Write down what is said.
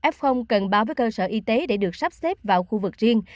f cần báo với cơ sở y tế để được sắp xếp vào khu vực riêng